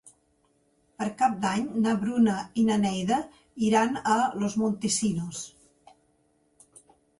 Per Cap d'Any na Bruna i na Neida iran a Los Montesinos.